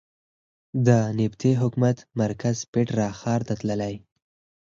د نبطي حکومت مرکز پېټرا ښار ته تللې.